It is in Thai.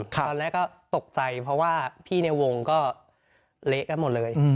ตอนแรกก็ตกใจเพราะว่าพี่ในวงก็เละกันหมดเลย